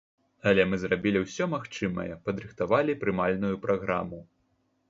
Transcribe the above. Але мы зрабілі ўсё магчымае, падрыхтавалі прымальную праграму.